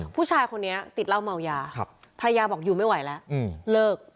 ผู้ชายคนนี้ติดเหล้าเมายาภรรยาบอกอยู่ไม่ไหวแล้วเลิก